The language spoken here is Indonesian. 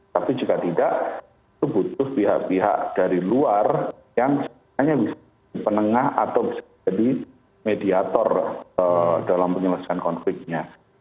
tapi jika tidak itu butuh pihak pihak dari luar yang sebenarnya bisa di penengah atau bisa jadi mediator dalam penyelesaian konfliknya